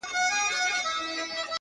د گل خندا؛